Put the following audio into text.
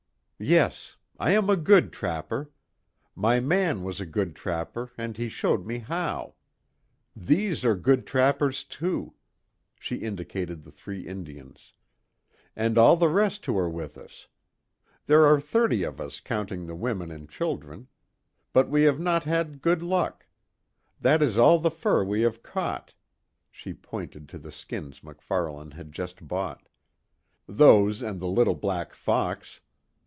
"Yes. I am a good trapper. My man was a good trapper and he showed me how. These are good trappers, too," she indicated the three Indians, "And all the rest who are with us. There are thirty of us counting the women and children. But we have not had good luck. That is all the fur we have caught," she pointed to the skins MacFarlane had just bought, "Those and the little black fox.